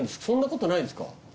そんなことないんですか？